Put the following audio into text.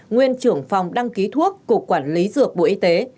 nguyên trưởng phòng đăng ký thuốc cục quản lý dược bộ y tế